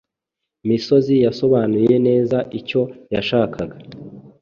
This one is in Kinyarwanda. Misozi yasobanuye neza icyo yashakaga.